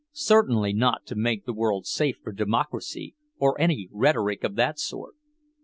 Certainly not to make the world safe for Democracy, or any rhetoric of that sort.